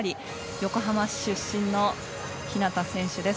横浜市出身の日向選手です。